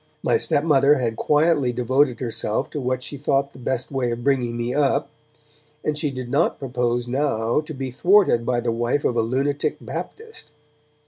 My stepmother had quietly devoted herself to what she thought the best way of bringing me up, and she did not propose now to be thwarted by the wife of a lunatic Baptist.